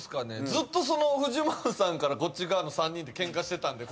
ずっとフジモンさんからこっち側の３人でケンカしてたんで。